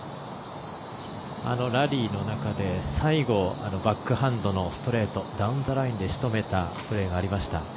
ラリーの中で最後バックハンドのストレートダウンザラインでしとめたプレーがありました。